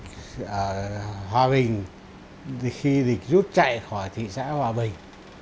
trong chiến dịch hòa bình khi địch rút chạy khỏi thị xã hòa bình